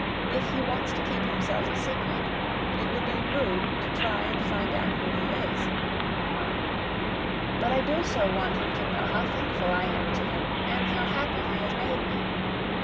"If he wants to keep himself a secret, it would be rude to try and find out who he is. But I do so want him to know how thankful I am to him and how happy he has made me.